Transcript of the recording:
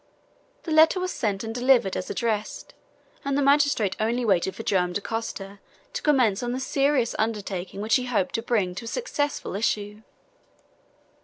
The letter was sent and delivered as addressed, and the magistrate only waited for Joam Dacosta to commence on the serious undertaking which he hoped to bring to a successful issue.